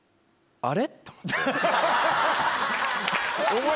あれ？